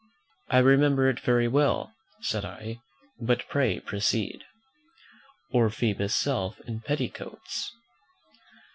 "I remember it very well," said I; "but pray proceed." "'Or Phoebus' self in petticoats.'